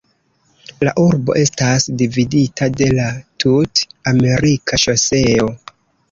La urbo estas dividita de la Tut-Amerika Ŝoseo.